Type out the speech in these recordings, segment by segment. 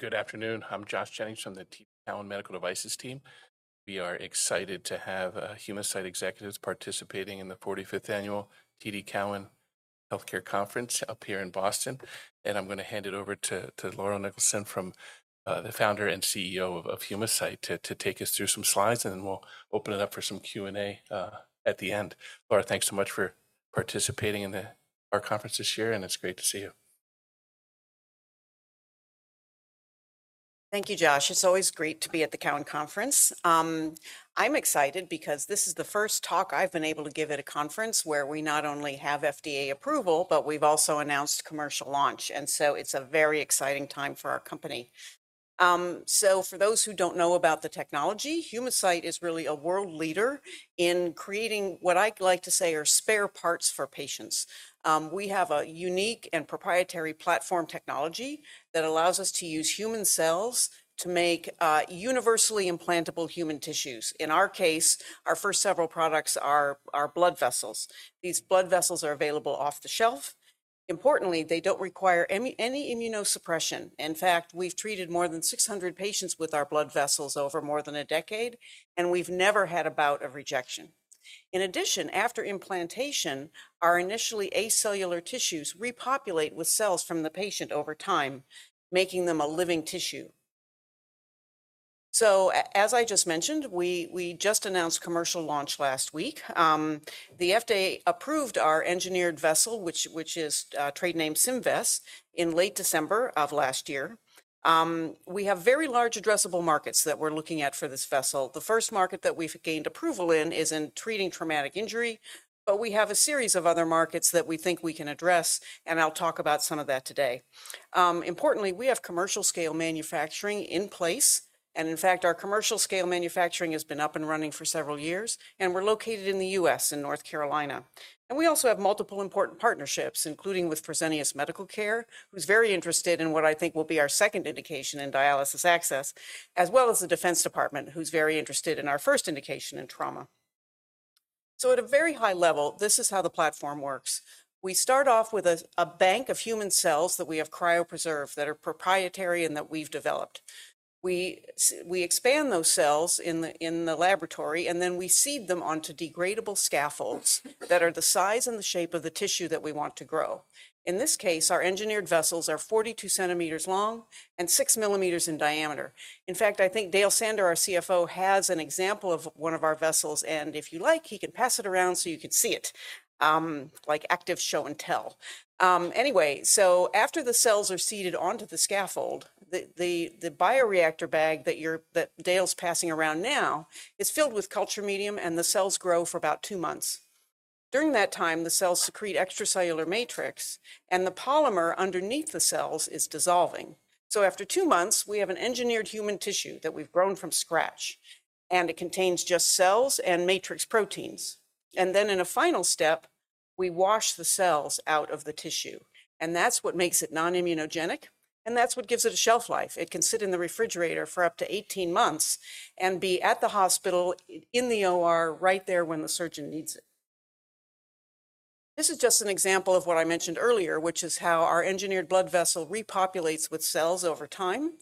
Good afternoon. I'm Josh Jennings from the TD Cowen Medical Devices team. We are excited to have Humacyte executives participating in the 45th annual TD Cowen Healthcare Conference up here in Boston. I'm going to hand it over to Laura Niklason, the founder and CEO of Humacyte, to take us through some slides, and then we'll open it up for some Q&A at the end. Laura, thanks so much for participating in our conference this year, and it's great to see you. Thank you, Josh. It's always great to be at the Cowen Conference. I'm excited because this is the first talk I've been able to give at a conference where we not only have FDA approval, but we've also announced commercial launch. It is a very exciting time for our company. For those who don't know about the technology, Humacyte is really a world leader in creating what I like to say are spare parts for patients. We have a unique and proprietary platform technology that allows us to use human cells to make universally implantable human tissues. In our case, our first several products are our blood vessels. These blood vessels are available off the shelf. Importantly, they don't require any immunosuppression. In fact, we've treated more than 600 patients with our blood vessels over more than a decade, and we've never had a bout of rejection. In addition, after implantation, our initially acellular tissues repopulate with cells from the patient over time, making them a living tissue. As I just mentioned, we just announced commercial launch last week. The FDA approved our engineered vessel, which is trade name Symvess, in late December of last year. We have very large addressable markets that we're looking at for this vessel. The first market that we've gained approval in is in treating traumatic injury, but we have a series of other markets that we think we can address, and I'll talk about some of that today. Importantly, we have commercial scale manufacturing in place. In fact, our commercial scale manufacturing has been up and running for several years, and we're located in the US, in North Carolina. We also have multiple important partnerships, including with Fresenius Medical Care, who's very interested in what I think will be our second indication in dialysis access, as well as the Defense Department, who's very interested in our first indication in trauma. At a very high level, this is how the platform works. We start off with a bank of human cells that we have cryopreserved that are proprietary and that we've developed. We expand those cells in the laboratory, and then we seed them onto degradable scaffolds that are the size and the shape of the tissue that we want to grow. In this case, our engineered vessels are 42 centimeters long and 6 millimeters in diameter. In fact, I think Dale Sander, our CFO, has an example of one of our vessels, and if you like, he can pass it around so you can see it, like active show and tell. Anyway, after the cells are seeded onto the scaffold, the bioreactor bag that Dale's passing around now is filled with culture medium, and the cells grow for about two months. During that time, the cells secrete extracellular matrix, and the polymer underneath the cells is dissolving. After two months, we have an engineered human tissue that we've grown from scratch, and it contains just cells and matrix proteins. In a final step, we wash the cells out of the tissue, and that's what makes it non-immunogenic, and that's what gives it a shelf life. It can sit in the refrigerator for up to 18 months and be at the hospital in the OR right there when the surgeon needs it. This is just an example of what I mentioned earlier, which is how our engineered blood vessel repopulates with cells over time.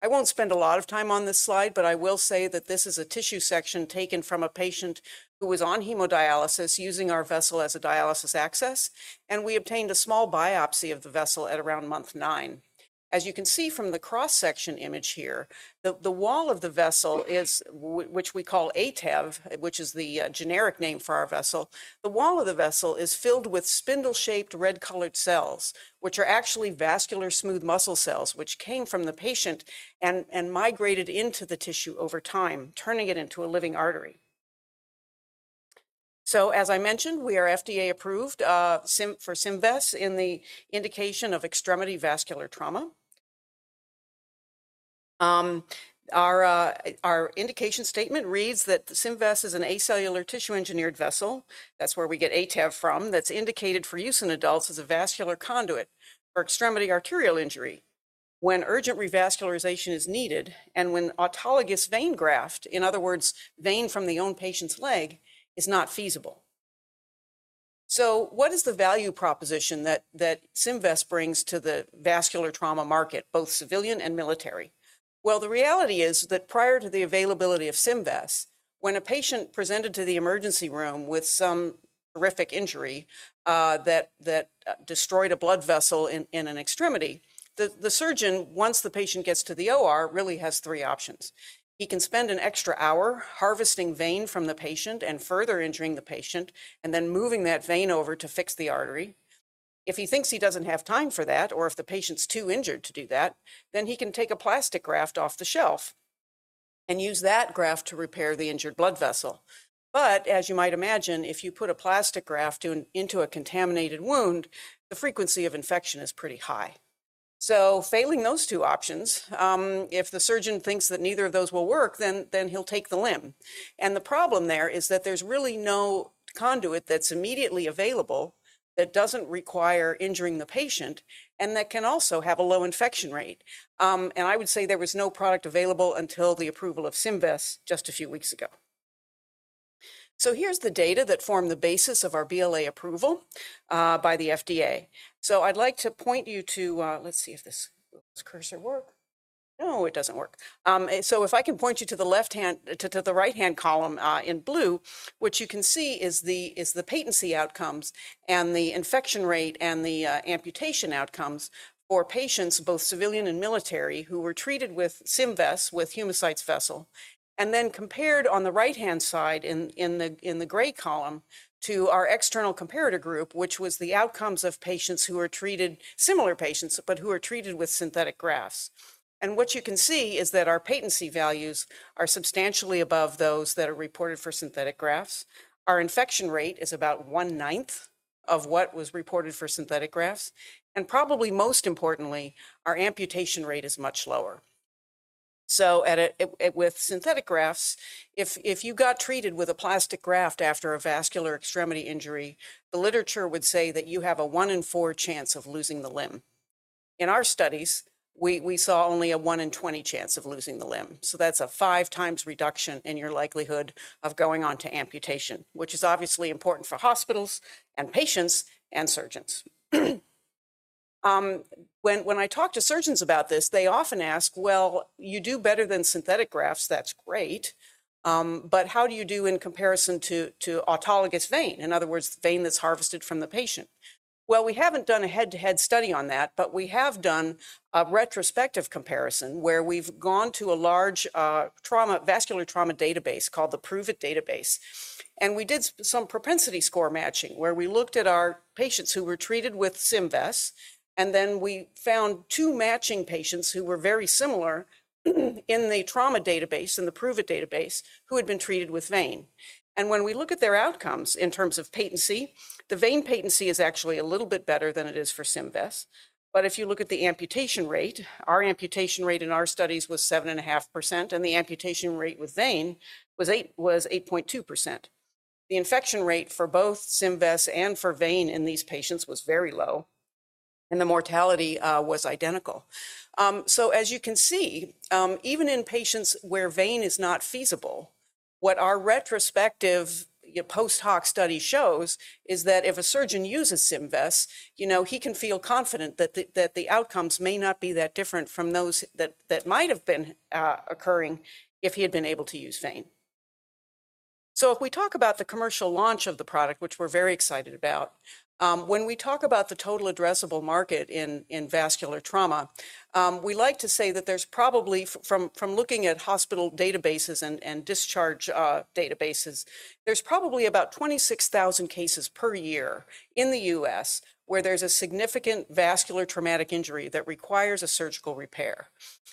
I will not spend a lot of time on this slide, but I will say that this is a tissue section taken from a patient who was on hemodialysis using our vessel as a dialysis access, and we obtained a small biopsy of the vessel at around month nine. As you can see from the cross-section image here, the wall of the vessel, which we call ATEV, which is the generic name for our vessel, the wall of the vessel is filled with spindle-shaped, red-colored cells, which are actually vascular smooth muscle cells, which came from the patient and migrated into the tissue over time, turning it into a living artery. As I mentioned, we are FDA approved for Symvess in the indication of extremity vascular trauma. Our indication statement reads that Symvess is an acellular tissue engineered vessel. That's where we get ATEV from. That's indicated for use in adults as a vascular conduit for extremity arterial injury when urgent revascularization is needed and when autologous vein graft, in other words, vein from the own patient's leg, is not feasible. What is the value proposition that Symvess brings to the vascular trauma market, both civilian and military? The reality is that prior to the availability of Symvess, when a patient presented to the emergency room with some horrific injury that destroyed a blood vessel in an extremity, the surgeon, once the patient gets to the OR, really has three options. He can spend an extra hour harvesting vein from the patient and further injuring the patient and then moving that vein over to fix the artery. If he thinks he does not have time for that, or if the patient is too injured to do that, then he can take a plastic graft off the shelf and use that graft to repair the injured blood vessel. As you might imagine, if you put a plastic graft into a contaminated wound, the frequency of infection is pretty high. Failing those two options, if the surgeon thinks that neither of those will work, he'll take the limb. The problem there is that there's really no conduit that's immediately available that doesn't require injuring the patient and that can also have a low infection rate. I would say there was no product available until the approval of Symvess just a few weeks ago. Here's the data that formed the basis of our BLA approval by the FDA. I'd like to point you to, let's see if this cursor works. No, it doesn't work. If I can point you to the right-hand column in blue, what you can see is the patency outcomes and the infection rate and the amputation outcomes for patients, both civilian and military, who were treated with Symvess with Humacyte's vessel. Compared on the right-hand side in the gray column to our external comparator group, which was the outcomes of patients who were treated, similar patients, but who were treated with synthetic grafts. What you can see is that our patency values are substantially above those that are reported for synthetic grafts. Our infection rate is about one ninth of what was reported for synthetic grafts. Probably most importantly, our amputation rate is much lower. With synthetic grafts, if you got treated with a plastic graft after a vascular extremity injury, the literature would say that you have a one in four chance of losing the limb. In our studies, we saw only a one in 20 chance of losing the limb. That is a five times reduction in your likelihood of going on to amputation, which is obviously important for hospitals and patients and surgeons. When I talk to surgeons about this, they often ask, you do better than synthetic grafts, that's great, but how do you do in comparison to autologous vein? In other words, vein that's harvested from the patient. We haven't done a head-to-head study on that, but we have done a retrospective comparison where we've gone to a large vascular trauma database called the PREVIT database. We did some propensity score matching where we looked at our patients who were treated with Symvess, and then we found two matching patients who were very similar in the trauma database, in the PREVIT database, who had been treated with vein. When we look at their outcomes in terms of patency, the vein patency is actually a little bit better than it is for Symvess. If you look at the amputation rate, our amputation rate in our studies was 7.5%, and the amputation rate with vein was 8.2%. The infection rate for both Symvess and for vein in these patients was very low, and the mortality was identical. As you can see, even in patients where vein is not feasible, what our retrospective post-hoc study shows is that if a surgeon uses Symvess, you know he can feel confident that the outcomes may not be that different from those that might have been occurring if he had been able to use vein. If we talk about the commercial launch of the product, which we're very excited about, when we talk about the total addressable market in vascular trauma, we like to say that there's probably, from looking at hospital databases and discharge databases, there's probably about 26,000 cases per year in the US where there's a significant vascular traumatic injury that requires a surgical repair.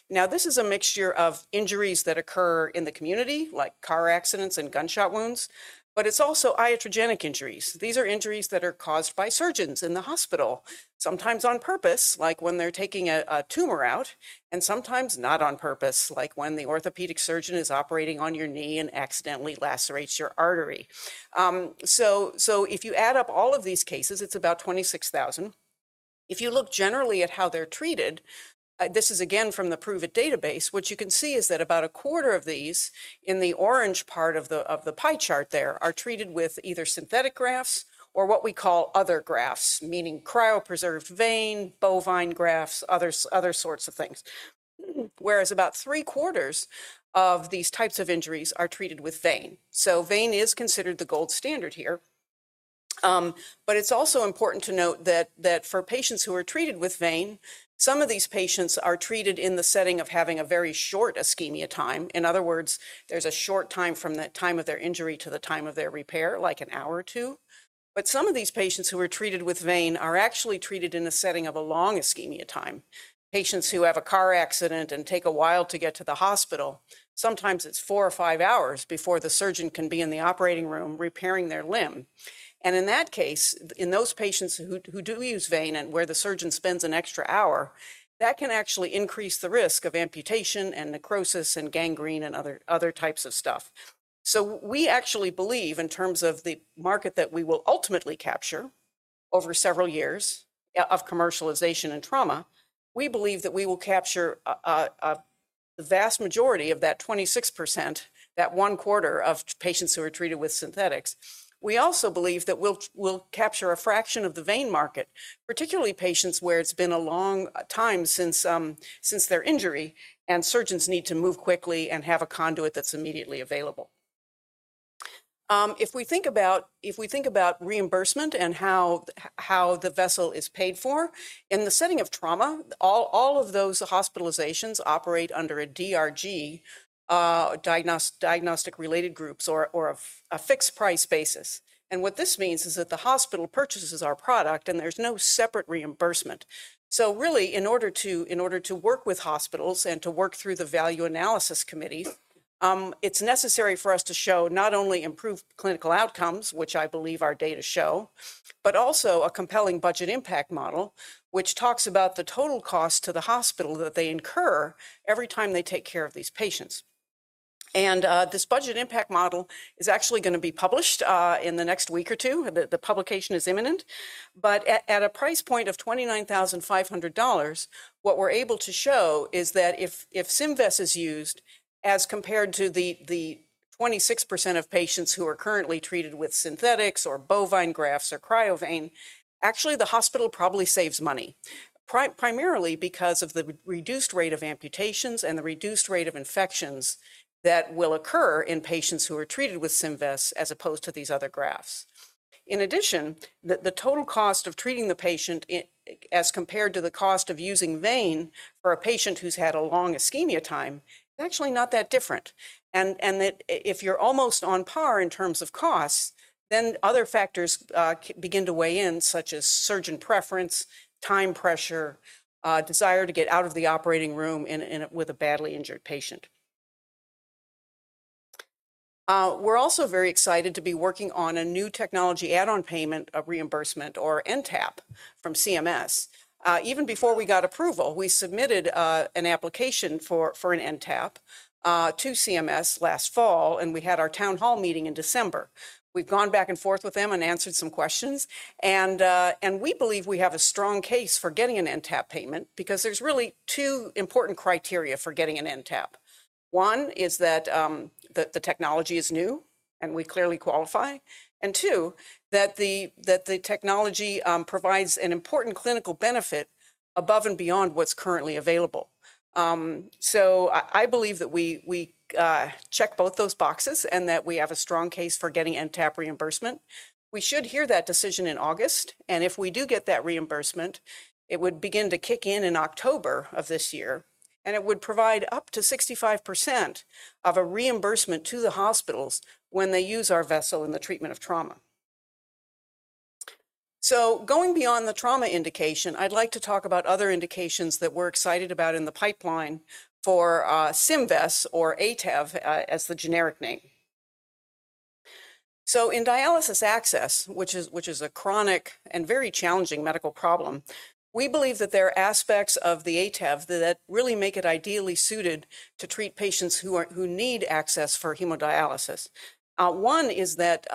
This is a mixture of injuries that occur in the community, like car accidents and gunshot wounds, but it's also iatrogenic injuries. These are injuries that are caused by surgeons in the hospital, sometimes on purpose, like when they're taking a tumor out, and sometimes not on purpose, like when the orthopedic surgeon is operating on your knee and accidentally lacerates your artery. If you add up all of these cases, it's about 26,000. If you look generally at how they're treated, this is again from the PREVIT database, what you can see is that about a quarter of these in the orange part of the pie chart there are treated with either synthetic grafts or what we call other grafts, meaning cryopreserved vein, bovine grafts, other sorts of things. Whereas about three quarters of these types of injuries are treated with vein. Vein is considered the gold standard here. It's also important to note that for patients who are treated with vein, some of these patients are treated in the setting of having a very short ischemia time. In other words, there's a short time from the time of their injury to the time of their repair, like an hour or two. Some of these patients who are treated with vein are actually treated in the setting of a long ischemia time. Patients who have a car accident and take a while to get to the hospital, sometimes it's four or five hours before the surgeon can be in the operating room repairing their limb. In that case, in those patients who do use vein and where the surgeon spends an extra hour, that can actually increase the risk of amputation and necrosis and gangrene and other types of stuff. We actually believe in terms of the market that we will ultimately capture over several years of commercialization in trauma, we believe that we will capture the vast majority of that 26%, that one quarter of patients who are treated with synthetics. We also believe that we'll capture a fraction of the vein market, particularly patients where it's been a long time since their injury and surgeons need to move quickly and have a conduit that's immediately available. If we think about reimbursement and how the vessel is paid for, in the setting of trauma, all of those hospitalizations operate under a DRG, diagnostic related groups, or a fixed price basis. What this means is that the hospital purchases our product and there's no separate reimbursement. In order to work with hospitals and to work through the value analysis committee, it's necessary for us to show not only improved clinical outcomes, which I believe our data show, but also a compelling budget impact model, which talks about the total cost to the hospital that they incur every time they take care of these patients. This budget impact model is actually going to be published in the next week or two. The publication is imminent. At a price point of $29,500, what we're able to show is that if Symvess is used as compared to the 26% of patients who are currently treated with synthetics or bovine grafts or cryovein, actually the hospital probably saves money, primarily because of the reduced rate of amputations and the reduced rate of infections that will occur in patients who are treated with Symvess as opposed to these other grafts. In addition, the total cost of treating the patient as compared to the cost of using vein for a patient who's had a long ischemia time is actually not that different. If you're almost on par in terms of costs, then other factors begin to weigh in, such as surgeon preference, time pressure, desire to get out of the operating room with a badly injured patient. We're also very excited to be working on a new technology add-on payment of reimbursement or NTAP from CMS. Even before we got approval, we submitted an application for an NTAP to CMS last fall, and we had our town hall meeting in December. We've gone back and forth with them and answered some questions. We believe we have a strong case for getting an NTAP payment because there's really two important criteria for getting an NTAP. One is that the technology is new and we clearly qualify. Two, that the technology provides an important clinical benefit above and beyond what's currently available. I believe that we check both those boxes and that we have a strong case for getting NTAP reimbursement. We should hear that decision in August. If we do get that reimbursement, it would begin to kick in in October of this year. It would provide up to 65% of a reimbursement to the hospitals when they use our vessel in the treatment of trauma. Going beyond the trauma indication, I'd like to talk about other indications that we're excited about in the pipeline for Symvess or ATEV as the generic name. In dialysis access, which is a chronic and very challenging medical problem, we believe that there are aspects of the ATEV that really make it ideally suited to treat patients who need access for hemodialysis. One is that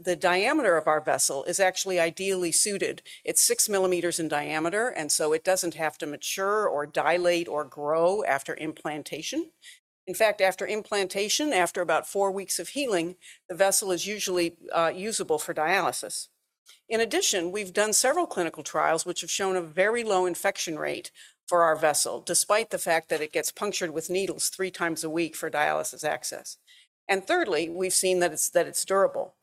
the diameter of our vessel is actually ideally suited. It's 6 millimeters in diameter, and so it doesn't have to mature or dilate or grow after implantation. In fact, after implantation, after about four weeks of healing, the vessel is usually usable for dialysis. In addition, we've done several clinical trials which have shown a very low infection rate for our vessel, despite the fact that it gets punctured with needles three times a week for dialysis access. Thirdly, we've seen that it's durable.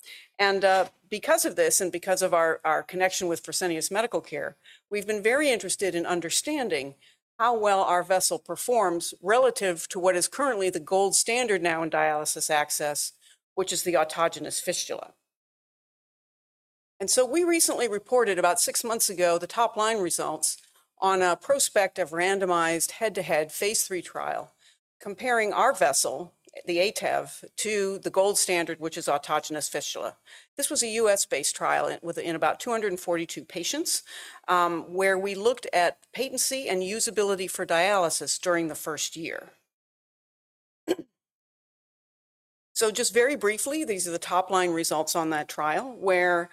Because of this and because of our connection with Fresenius Medical Care, we've been very interested in understanding how well our vessel performs relative to what is currently the gold standard now in dialysis access, which is the autogenous fistula. We recently reported about six months ago the top line results on a prospective randomized head-to-head phase three trial, comparing our vessel, the ATEV, to the gold standard, which is autogenous fistula. This was a US-based trial in about 242 patients where we looked at patency and usability for dialysis during the first year. Just very briefly, these are the top line results on that trial where,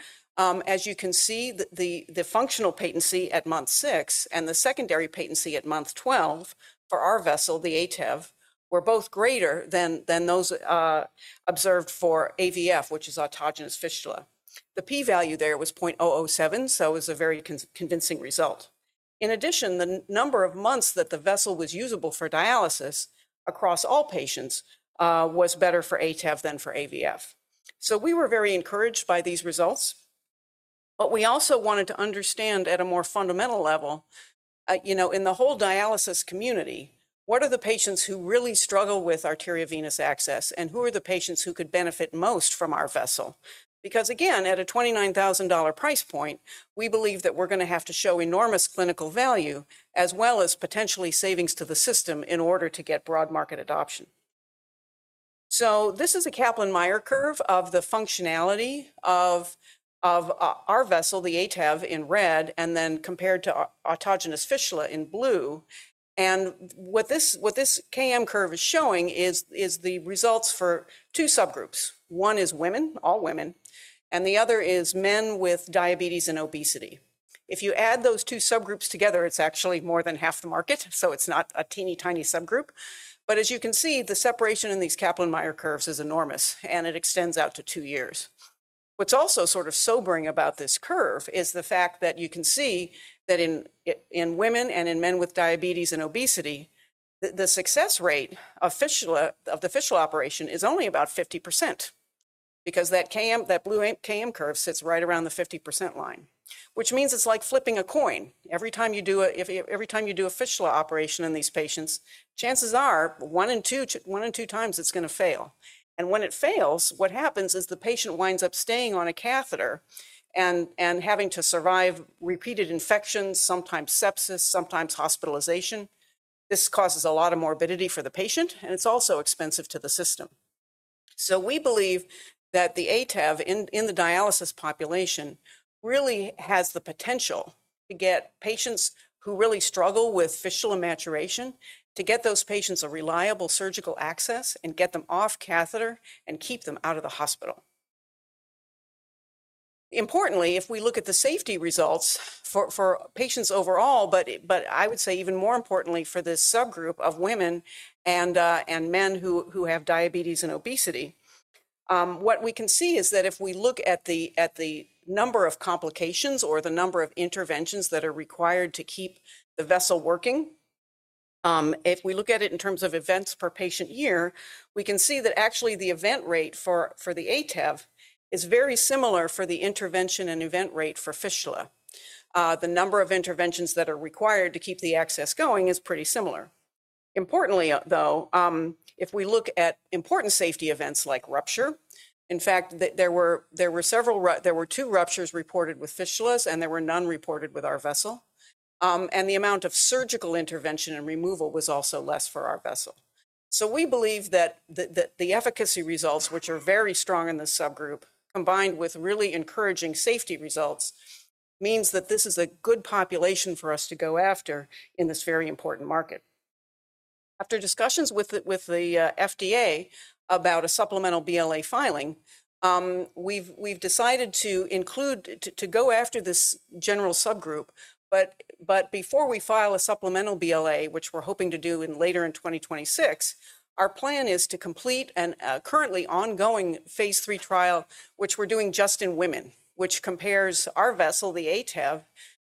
as you can see, the functional patency at month six and the secondary patency at month 12 for our vessel, the ATEV, were both greater than those observed for AVF, which is autogenous fistula. The P-value there was 0.007, so it was a very convincing result. In addition, the number of months that the vessel was usable for dialysis across all patients was better for ATEV than for AVF. We were very encouraged by these results. We also wanted to understand at a more fundamental level, in the whole dialysis community, what are the patients who really struggle with arteriovenous access and who are the patients who could benefit most from our vessel? Because again, at a $29,000 price point, we believe that we're going to have to show enormous clinical value as well as potentially savings to the system in order to get broad market adoption. This is a Kaplan-Meier curve of the functionality of our vessel, the ATEV in red, and then compared to autogenous fistula in blue. What this KM curve is showing is the results for two subgroups. One is women, all women, and the other is men with diabetes and obesity. If you add those two subgroups together, it's actually more than half the market, so it's not a teeny tiny subgroup. As you can see, the separation in these Kaplan-Meier curves is enormous, and it extends out to two years. What's also sort of sobering about this curve is the fact that you can see that in women and in men with diabetes and obesity, the success rate of the fistula operation is only about 50% because that blue KM curve sits right around the 50% line, which means it's like flipping a coin. Every time you do a fistula operation in these patients, chances are one in two times it's going to fail. When it fails, what happens is the patient winds up staying on a catheter and having to survive repeated infections, sometimes sepsis, sometimes hospitalization. This causes a lot of morbidity for the patient, and it's also expensive to the system. We believe that the ATEV in the dialysis population really has the potential to get patients who really struggle with fistula maturation, to get those patients a reliable surgical access and get them off catheter and keep them out of the hospital. Importantly, if we look at the safety results for patients overall, but I would say even more importantly for this subgroup of women and men who have diabetes and obesity, what we can see is that if we look at the number of complications or the number of interventions that are required to keep the vessel working, if we look at it in terms of events per patient year, we can see that actually the event rate for the ATEV is very similar for the intervention and event rate for fistula. The number of interventions that are required to keep the access going is pretty similar. Importantly, though, if we look at important safety events like rupture, in fact, there were two ruptures reported with fistulas, and there were none reported with our vessel. The amount of surgical intervention and removal was also less for our vessel. We believe that the efficacy results, which are very strong in this subgroup, combined with really encouraging safety results, means that this is a good population for us to go after in this very important market. After discussions with the FDA about a supplemental BLA filing, we have decided to go after this general subgroup. Before we file a supplemental BLA, which we are hoping to do later in 2026, our plan is to complete a currently ongoing phase three trial, which we are doing just in women, which compares our vessel, the ATEV,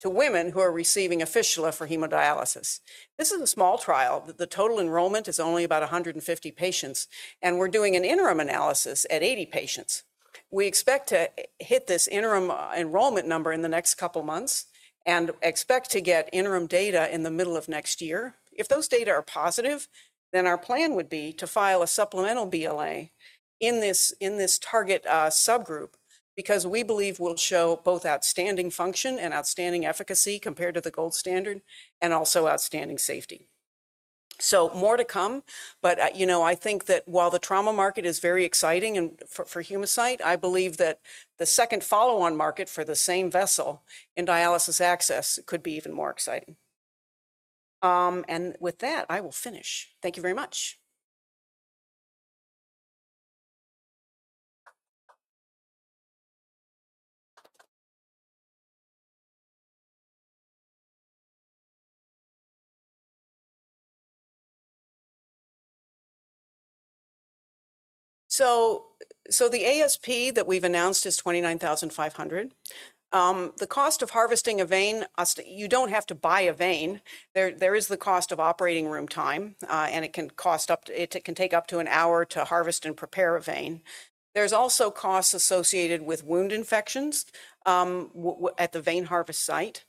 to women who are receiving a fistula for hemodialysis. This is a small trial. The total enrollment is only about 150 patients, and we're doing an interim analysis at 80 patients. We expect to hit this interim enrollment number in the next couple of months and expect to get interim data in the middle of next year. If those data are positive, then our plan would be to file a supplemental BLA in this target subgroup because we believe we'll show both outstanding function and outstanding efficacy compared to the gold standard and also outstanding safety. More to come. I think that while the trauma market is very exciting for Humacyte, I believe that the second follow-on market for the same vessel in dialysis access could be even more exciting. With that, I will finish. Thank you very much. The ASP that we've announced is $29,500. The cost of harvesting a vein, you don't have to buy a vein. There is the cost of operating room time, and it can take up to an hour to harvest and prepare a vein. There's also costs associated with wound infections at the vein harvest site.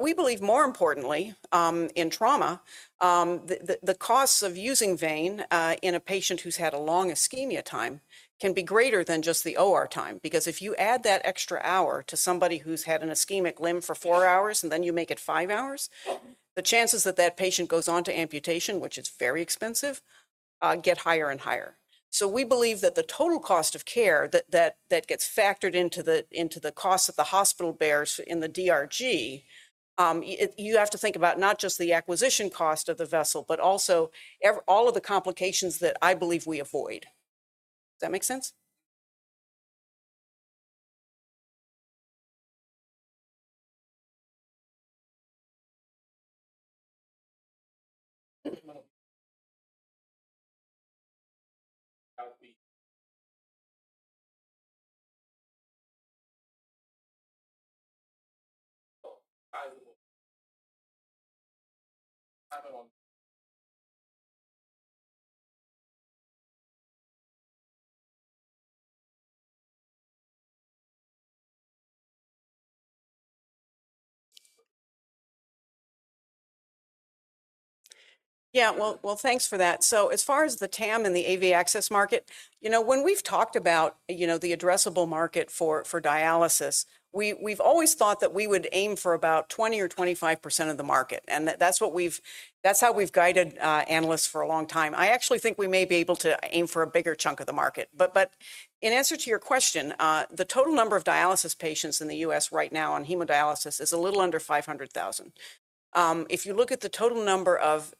We believe, more importantly, in trauma, the costs of using vein in a patient who's had a long ischemia time can be greater than just the OR time because if you add that extra hour to somebody who's had an ischemic limb for four hours and then you make it five hours, the chances that that patient goes on to amputation, which is very expensive, get higher and higher. We believe that the total cost of care that gets factored into the cost that the hospital bears in the DRG, you have to think about not just the acquisition cost of the vessel, but also all of the complications that I believe we avoid. Does that make sense? Yeah, thanks for that. As far as the TAM and the AV access market, when we've talked about the addressable market for dialysis, we've always thought that we would aim for about 20% or 25% of the market. That's how we've guided analysts for a long time. I actually think we may be able to aim for a bigger chunk of the market. In answer to your question, the total number of dialysis patients in the US right now on hemodialysis is a little under 500,000. If you look at the total number of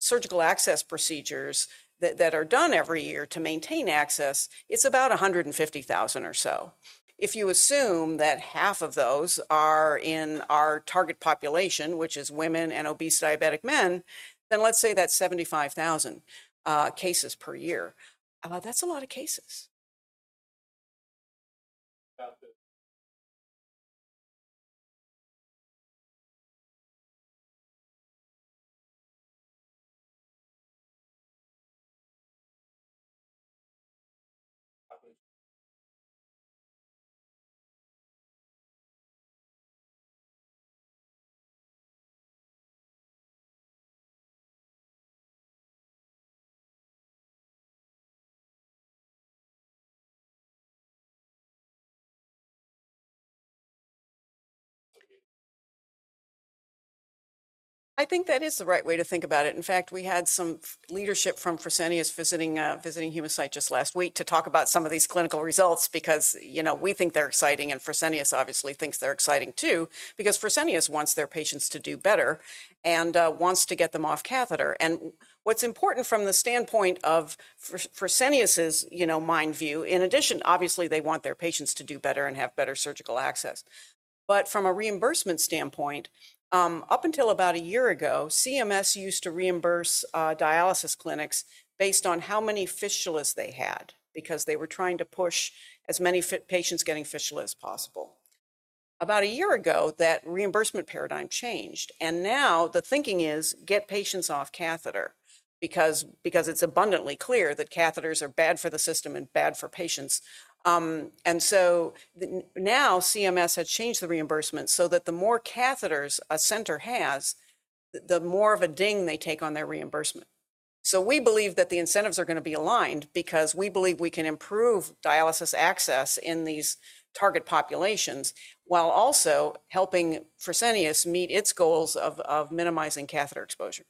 surgical access procedures that are done every year to maintain access, it's about 150,000 or so. If you assume that half of those are in our target population, which is women and obese diabetic men, then let's say that's 75,000 cases per year. That's a lot of cases. I think that is the right way to think about it. In fact, we had some leadership from Fresenius visiting Humacyte just last week to talk about some of these clinical results because we think they're exciting. Fresenius obviously thinks they're exciting too because Fresenius wants their patients to do better and wants to get them off catheter. What's important from the standpoint of Fresenius's mind view, in addition, obviously, they want their patients to do better and have better surgical access. From a reimbursement standpoint, up until about a year ago, CMS used to reimburse dialysis clinics based on how many fistulas they had because they were trying to push as many patients getting fistula as possible. About a year ago, that reimbursement paradigm changed. Now the thinking is get patients off catheter because it's abundantly clear that catheters are bad for the system and bad for patients. Now CMS has changed the reimbursement so that the more catheters a center has, the more of a ding they take on their reimbursement. We believe that the incentives are going to be aligned because we believe we can improve dialysis access in these target populations while also helping Fresenius meet its goals of minimizing catheter exposure.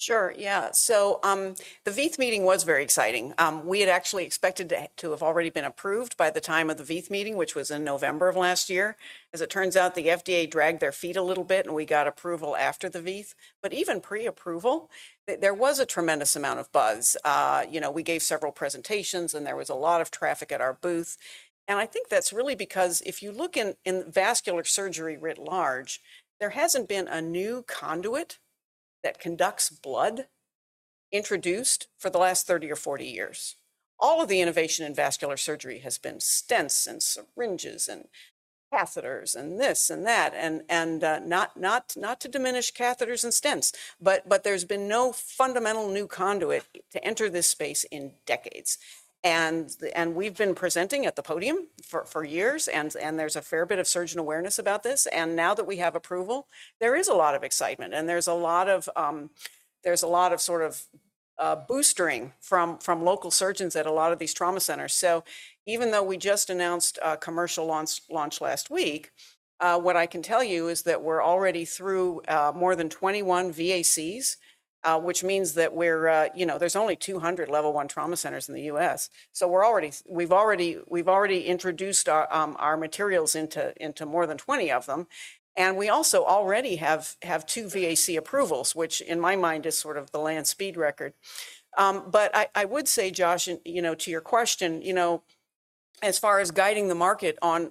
Sure, yeah. The VEETH meeting was very exciting. We had actually expected to have already been approved by the time of the VEETH meeting, which was in November of last year. As it turns out, the FDA dragged their feet a little bit, and we got approval after the VEETH. Even pre-approval, there was a tremendous amount of buzz. We gave several presentations, and there was a lot of traffic at our booth. I think that's really because if you look in vascular surgery writ large, there hasn't been a new conduit that conducts blood introduced for the last 30 or 40 years. All of the innovation in vascular surgery has been stents and syringes and catheters and this and that, and not to diminish catheters and stents, but there's been no fundamental new conduit to enter this space in decades. We've been presenting at the podium for years, and there's a fair bit of surgeon awareness about this. Now that we have approval, there is a lot of excitement, and there's a lot of sort of boostering from local surgeons at a lot of these trauma centers. Even though we just announced a commercial launch last week, what I can tell you is that we're already through more than 21 VACs, which means that there's only 200 level one trauma centers in the US. We've already introduced our materials into more than 20 of them. We also already have two VAC approvals, which in my mind is sort of the land speed record. I would say, Josh, to your question, as far as guiding the market on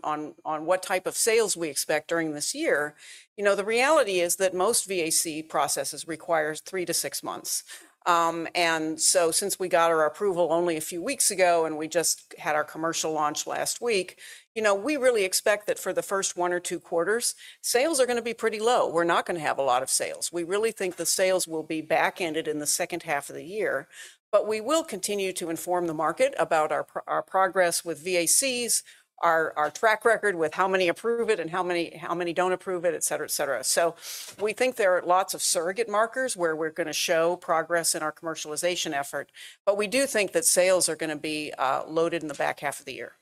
what type of sales we expect during this year, the reality is that most VAC processes require three to six months. Since we got our approval only a few weeks ago and we just had our commercial launch last week, we really expect that for the first one or two quarters, sales are going to be pretty low. We're not going to have a lot of sales. We really think the sales will be backhanded in the second half of the year. We will continue to inform the market about our progress with VACs, our track record with how many approve it and how many do not approve it, et cetera, et cetera. We think there are lots of surrogate markers where we're going to show progress in our commercialization effort. We do think that sales are going to be loaded in the back half of the year.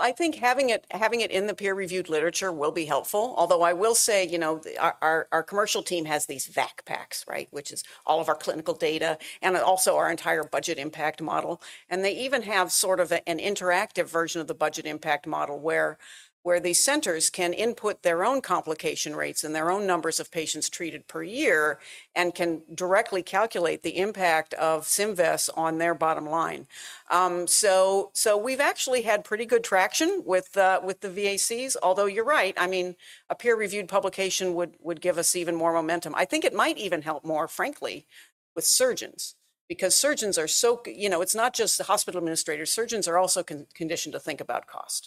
I think having it in the peer-reviewed literature will be helpful. Although I will say our commercial team has these VAC packs, right, which is all of our clinical data and also our entire budget impact model. They even have sort of an interactive version of the budget impact model where these centers can input their own complication rates and their own numbers of patients treated per year and can directly calculate the impact of Symvess on their bottom line. We have actually had pretty good traction with the VACs. Although you're right, I mean, a peer-reviewed publication would give us even more momentum. I think it might even help more, frankly, with surgeons because surgeons are so—it's not just the hospital administrators. Surgeons are also conditioned to think about costs.